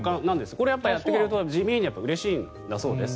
これはやってくれると地味にうれしいんだそうです。